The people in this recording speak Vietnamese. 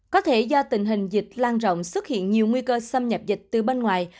có thể do tình hình dịch lan rộng xuất hiện nhiều nguy cơ xâm nhập dịch từ bên ngoài